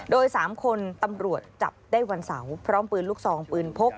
โดย๓คนตำรวจจับได้วันเสาร์พร้อมปืนลูกซองปืนพก